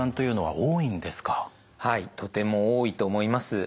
はいとても多いと思います。